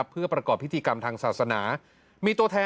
เพื่อประกอบพิธีกรรมทางศาสนา